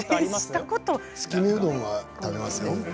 月見うどんは食べますよ。